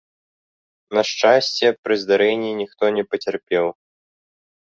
На шчасце, пры здарэнні ніхто не пацярпеў.